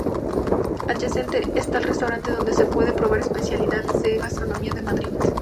Adyacente está el restaurante donde se pueden probar especialidades de la gastronomía de Madrid.